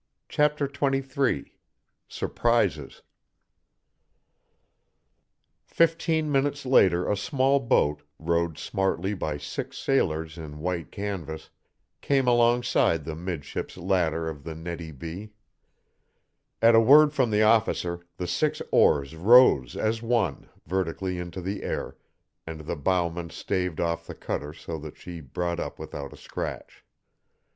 CHAPTER XXIII SURPRISES Fifteen minutes later a small boat, rowed smartly by six sailors in white canvas, came alongside the 'midships ladder of the Nettie B. At a word from the officer the six oars rose as one vertically into the air, and the bowman staved off the cutter so that she brought up without a scratch.